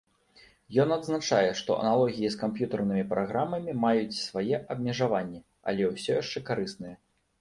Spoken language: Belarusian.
Ён адзначае, што аналогіі з камп'ютарнымі праграмамі маюць свае абмежаванні, але ўсё яшчэ карысныя.